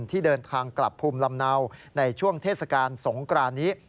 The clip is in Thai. ที่เดินทางกลับภูมิลำเนาในช่วงเทศกาลสงกรานนี้